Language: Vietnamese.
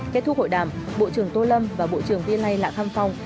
kết thúc hội đàm bộ trưởng tô lâm và bộ trưởng viên lây lạc hăng phong